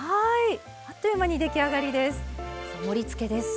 あっという間に出来上がりです。